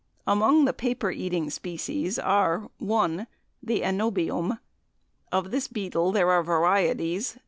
Among the paper eating species are: 1. The "Anobium." Of this beetle there are varieties, viz.